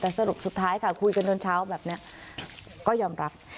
แต่สรุปสุดท้ายค่ะคุยกันตอนเช้าแบบนี้ก็ยอมรับ